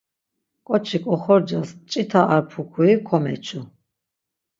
Ǩoçik oxorcas mç̌ita ar pukuri komeçu.